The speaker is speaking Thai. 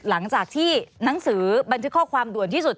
หลังจากที่หนังสือบันทึกข้อความด่วนที่สุด